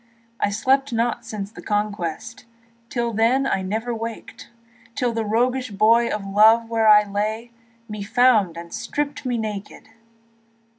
I slept not since the Conquest, Till then I never wakèd, Till the roguish boy of love where I lay Me found and stript me nakèd.